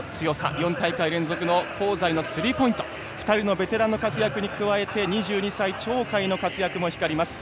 ４大会連続の香西のスリーポイント２人のベテランの活躍に加えて２２歳、鳥海の活躍も光ります。